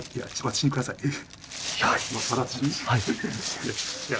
はい。